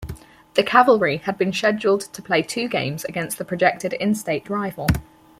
The Cavalry had been scheduled to play two games against the projected in-state rival.